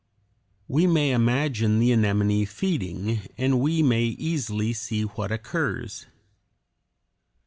] We may imagine the anemone feeding, and we may easily see what occurs.